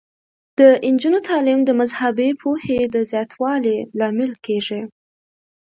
د نجونو تعلیم د مذهبي پوهې د زیاتوالي لامل کیږي.